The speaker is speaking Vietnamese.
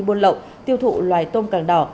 buôn lộng tiêu thụ loài tôm càng đỏ